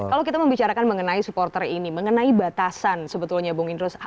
kalau kita membicarakan mengenai supporter ini mengenai batasan sebetulnya bung indro